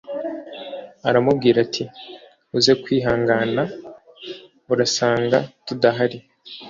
aramubwira ati "uze kwihangana urasanga tudahari."